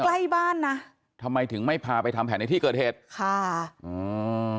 ใกล้บ้านนะทำไมถึงไม่พาไปทำแผนในที่เกิดเหตุค่ะอืม